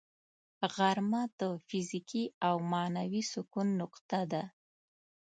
غرمه د فزیکي او معنوي سکون نقطه ده